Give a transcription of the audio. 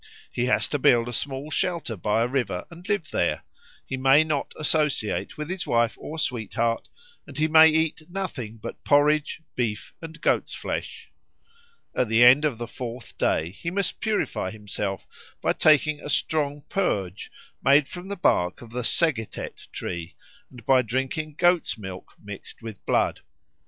He has to build a small shelter by a river and live there; he may not associate with his wife or sweetheart, and he may eat nothing but porridge, beef, and goat's flesh. At the end of the fourth day he must purify himself by taking a strong purge made from the bark of the segetet tree and by drinking goat's milk mixed with blood.